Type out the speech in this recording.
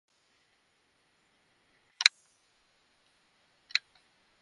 এছাড়া তোমার গোত্র পাবে পূর্ণ নিরাপত্তা।